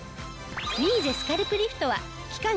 ミーゼスカルプリフトは期間